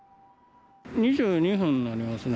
２２分になりますね。